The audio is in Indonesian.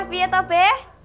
tapi itu be